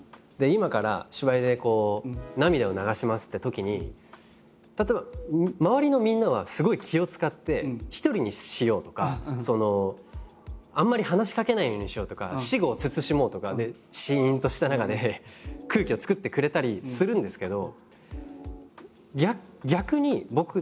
今から芝居で涙を流しますってときに例えば周りのみんなはすごい気を遣って一人にしようとかあんまり話しかけないようにしようとか私語を慎もうとかでしんとした中で空気を作ってくれたりするんですけど。